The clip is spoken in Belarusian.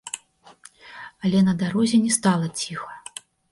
Але на дарозе не стала ціха.